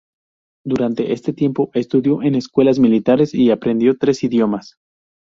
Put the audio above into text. Durante este tiempo, estudió en escuelas militares y aprendió tres idiomas.